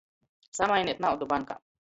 Samaineit naudu bankā.